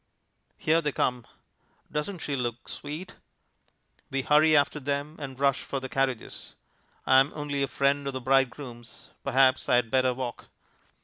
Here they come. "Doesn't she look sweet?" We hurry after them and rush for the carriages. I am only a friend of the bridegroom's; perhaps I had better walk.